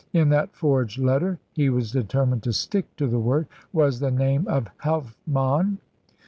"In that forged letter" he was determined to stick to the word "was the name of Helfmann."